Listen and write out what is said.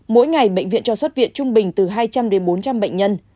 mỗi ngày bệnh viện cho xuất viện trung bình từ hai trăm linh đến bốn trăm linh bệnh nhân